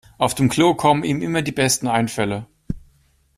Auf dem Klo kommen ihm immer die besten Einfälle.